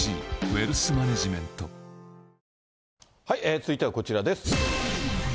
続いてはこちらです。